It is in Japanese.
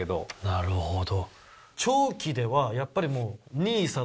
なるほど。